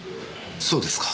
そうですか。